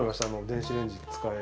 あの電子レンジ。